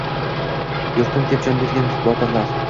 Yurtim deb jon bergan botirlar